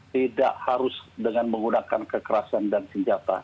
tidak harus dengan menggunakan kekerasan dan senjata